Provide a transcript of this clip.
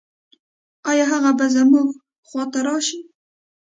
آيا هغه به زموږ خواته راشي؟